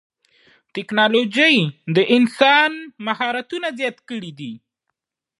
ټکنالوجي د انسان مهارتونه زیات کړي دي.